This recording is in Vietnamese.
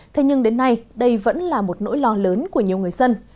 thế nhưng đến nay đây vẫn là một nỗi lo lớn của nhiều người dân